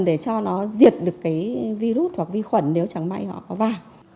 để cho nó diệt được virus hoặc vi khuẩn nếu chẳng may họ có va